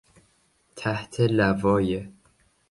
تحت لوای...